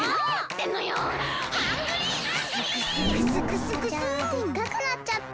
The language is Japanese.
でっかくなっちゃった。